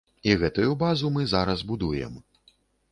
І гэтую базу мы зараз будуем.